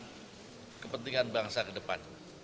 untuk kepentingan bangsa ke depan